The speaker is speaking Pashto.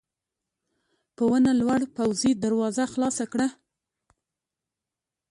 په ونه لوړ پوځي دروازه خلاصه کړه.